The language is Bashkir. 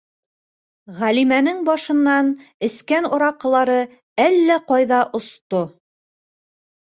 Ғәлимәнең башынан эскән араҡылары әллә ҡайҙа осто.